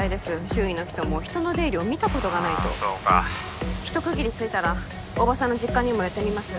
周囲の人も人の出入りを見たことがないと☎ああそうか一区切りついたら大庭さんの実家にも寄ってみます